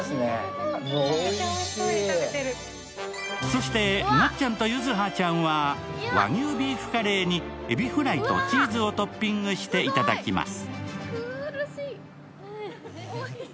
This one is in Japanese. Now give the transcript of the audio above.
そしてなっちゃんと柚葉ちゃんは和牛ビーフカレーにエビフライとチーズをトッピングしていただきます。